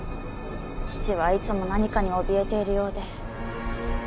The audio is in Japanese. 父はいつも何かにおびえているようで